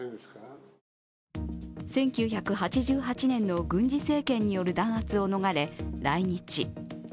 １９８８年の軍事政権による弾圧を逃れ来日。